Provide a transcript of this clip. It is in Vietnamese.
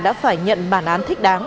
đã phải nhận bản án thích đáng